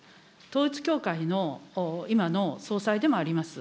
統一教会の今の総裁でもあります。